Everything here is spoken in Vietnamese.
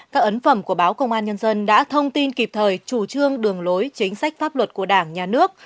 các ấn phẩm của báo công an nhân dân đã thông tin kịp thời chủ trương đường lối chính sách pháp luật của đảng nhà nước